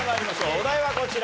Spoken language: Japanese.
お題はこちら。